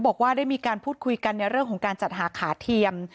บอกว่าได้มีการพูดคุยกันในเรื่องของการจัดหาขาเทียม